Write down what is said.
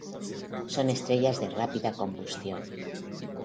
Son estrellas de rápida combustión.